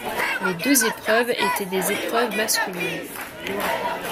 Les deux épreuves étaient des épreuves masculines.